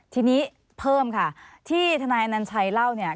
ทีนี้เพิ่มค่ะที่ทนายอนัญชัยเล่าเนี่ย